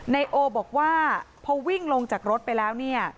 นายโอบอกว่าพอวิ่งลงจากรถไปแล้วเนี่ย